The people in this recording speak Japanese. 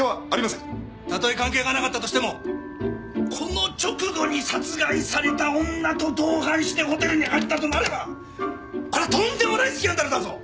たとえ関係がなかったとしてもこの直後に殺害された女と同伴してホテルに入ったとなればこれはとんでもないスキャンダルだぞ！